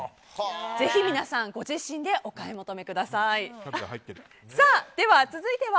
ぜひ皆さんご自身でお買い求めください。